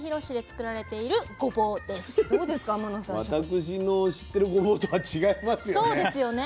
私の知ってるごぼうとは違いますよね。